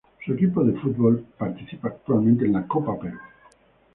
Su equipo de fútbol participa actualmente en la Copa Perú.